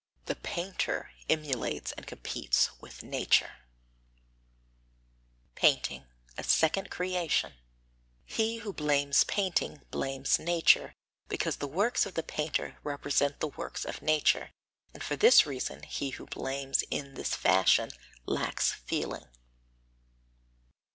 28. The painter emulates and competes with nature. [Sidenote: Painting a second Creation] 29. He who blames painting blames nature, because the works of the painter represent the works of nature, and for this reason he who blames in this fashion lacks feeling.